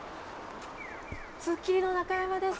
『スッキリ』の中山です。